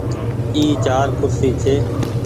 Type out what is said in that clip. اي چآر ڪُرسي ڇي۔